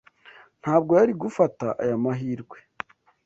Ntabwo yari gufata aya mahirwe.